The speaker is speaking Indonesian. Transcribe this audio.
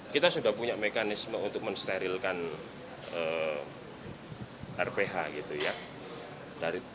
kita sudah punya mekanisme untuk mensterilkan rph gitu ya